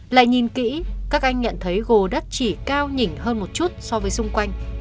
là nhìn kỹ các anh nhận thấy gồ đất chỉ cao nhỉnh hơn một chút so với xung quanh